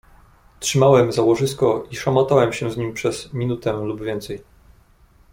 "Trzymałem za łożysko i szamotałem się z nim przez minutę lub więcej."